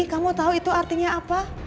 kamu tahu itu artinya apa